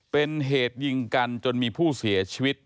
เป็นเหตุยิงกันจนมีผู้เสียชีวิต